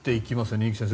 二木先生